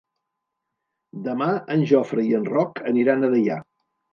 Demà en Jofre i en Roc aniran a Deià.